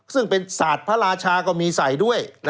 ซึ่งเป็นศาสตร์พระราชาก็มีใส่ด้วย